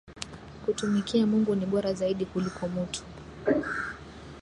Kutumikia Mungu ni bora zaidi kuliko mutu